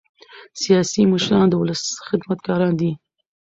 سیاسي مشران د ولس خدمتګاران دي